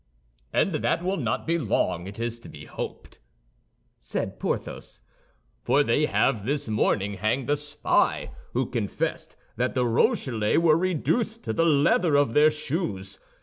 "And that will not be long, it is to be hoped," said Porthos; "for they have this morning hanged a spy who confessed that the Rochellais were reduced to the leather of their shoes.